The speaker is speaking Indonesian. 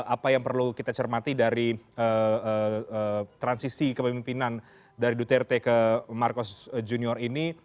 apa yang perlu kita cermati dari transisi kepemimpinan dari duterte ke marcos junior ini